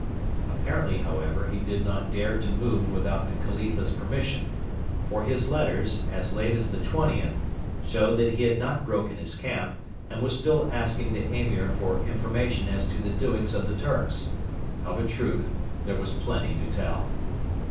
Apparently, however, he did not dare to move without the Khalifa's permission; for his letters, as late as the 20th, show that he had not broken his camp, and was still asking the Emir for information as to the doings of the 'Turks.' Of a truth there was plenty to tell.